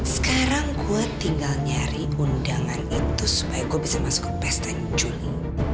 sekarang gue tinggal nyari undangan itu supaya gue bisa masuk ke pesta yang juni